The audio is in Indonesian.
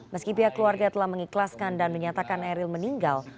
meskipun keluarga telah mengikhlaskan dan menyatakan eril meninggal